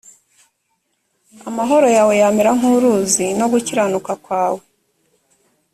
amahoro yawe yamera nk uruzi no gukiranuka kwawe